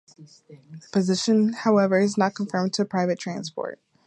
The position, however, is not confined to private transport.